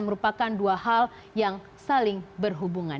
merupakan dua hal yang saling berhubungan